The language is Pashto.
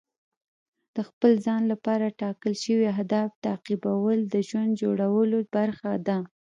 د خپل ځان لپاره ټاکل شوي اهداف تعقیبول د ژوند جوړولو برخه ده.